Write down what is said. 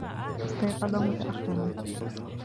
أستيقظ متأخّراً.